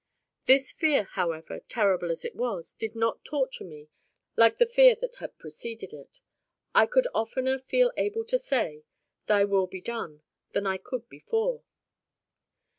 This fear, however, terrible as it was, did not torture me like the fear that had preceded it. I could oftener feel able to say, "Thy will be done" than I could before.